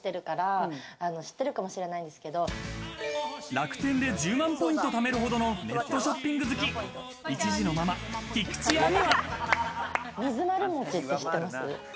楽天で１０万ポイントためる、ネットショッピング好き、一児のママ、菊地亜美。